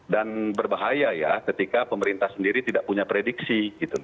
dan berbahaya ya ketika pemerintah sendiri tidak punya prediksi